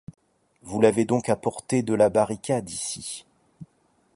Vous l'avez donc apporté de la barricade ici?